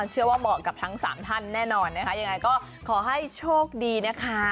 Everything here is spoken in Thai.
เหมาะกับทั้งสามท่านแน่นอนนะคะยังไงก็ขอให้โชคดีนะคะ